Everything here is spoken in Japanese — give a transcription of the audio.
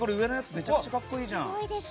めちゃくちゃ格好いいじゃん。